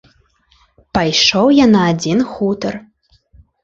Пайшоў я на адзін хутар.